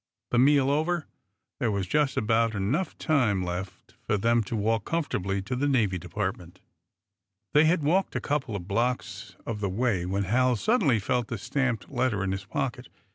The meal over, there was just about enough time left for them to walk comfortably to the Navy Department. They had walked a couple of blocks of the way when Hal suddenly felt the stamped letter in his pocket.